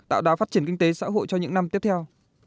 tạo đá phát triển kinh tế xã hội cho những năm tiếp theo